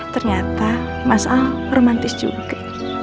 ternyata masal romantis juga